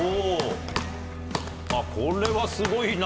あっこれはすごいな。